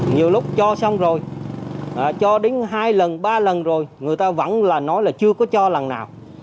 nhiều lúc cho xong rồi cho đến hai lần ba lần rồi người ta vẫn nói là chưa có cho lần nào